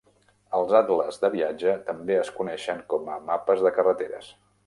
Els atles de viatge també es coneixen com a "mapes de carreteres".